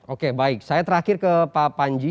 oke baik saya terakhir ke pak panji